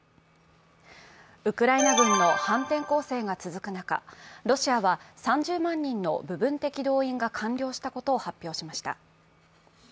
ウクライナ軍の反転攻勢が続く中、ロシアは３０万人の部分的動員が完了したことを発表しました。